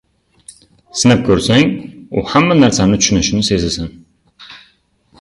sinab ko‘rsang, u hamma narsani tushunishini sezasan